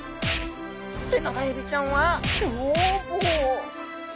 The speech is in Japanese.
テナガエビちゃんは凶暴。